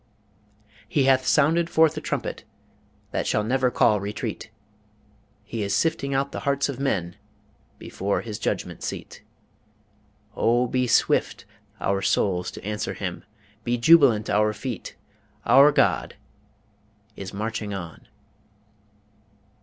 "He hath sounded forth a trumpet | that shall never call retreat, He is sifting out the hearts of men | before His judgment seat. Oh, be swift | our souls to answer Him, | be jubilant our feet, Our God | is marching on."